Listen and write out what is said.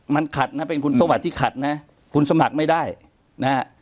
มันขัดนะเป็นคุณสวัสดิ์ที่ขัดนะคุณสมัครไม่ได้นะฮะ